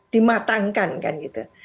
dimatangkan kan gitu